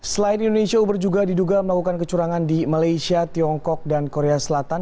selain indonesia uber juga diduga melakukan kecurangan di malaysia tiongkok dan korea selatan